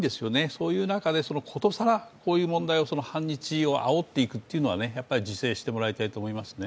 そういう中で殊更こういう問題、反日をあおっていくというのはやっぱり自制してもらいたいと思いますね。